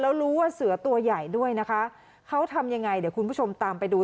แล้วรู้ว่าเสือตัวใหญ่ด้วยนะคะเขาทำยังไงเดี๋ยวคุณผู้ชมตามไปดู